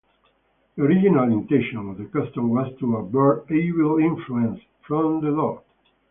The original intention of the custom was to avert evil influence from the door.